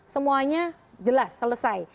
semuanya jelas selesai